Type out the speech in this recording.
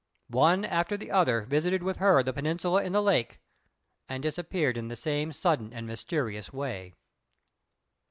One after the other visited with her the peninsula in the lake and disappeared in the same sudden and mysterious way.